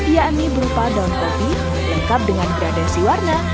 yakni berupa daun kopi lengkap dengan gradasi warna